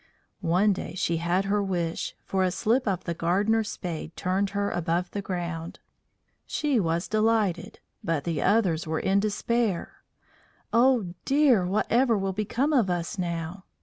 One day she had her wish, for a slip of the gardener's spade turned her above the ground. She was delighted, but the others were in despair. "Oh, dear, whatever will become of us now?"